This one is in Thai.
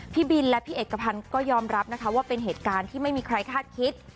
พี่บินและพี่เอกพันธ์ก็ยอมรับนะคะว่าเป็นเหตุการณ์ที่ไม่มีใครคาดคิด